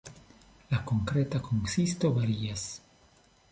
La konkreta konsisto varias.